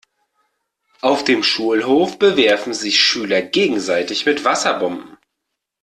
Auf dem Schulhof bewerfen sich Schüler gegenseitig mit Wasserbomben.